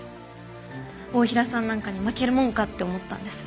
太平さんなんかに負けるもんかって思ったんです。